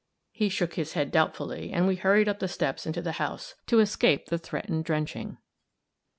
He shook his head doubtfully, and we hurried up the steps into the house, to escape the threatened drenching.